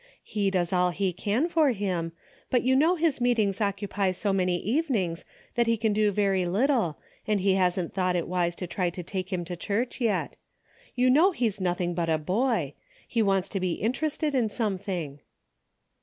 He does all he can for him, but you know his meetings occupy so many evenings that he can do very little and he hasn't thought it" wise to try to take him to church yet. You know he's noth ing but a boy. He wants to be interested in something."